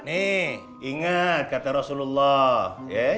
nih inget kata rasulullah